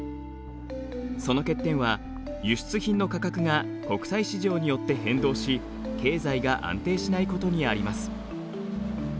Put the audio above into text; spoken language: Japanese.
その欠点は輸出品の価格が国際市場によって変動し経済が安定しないことにあります。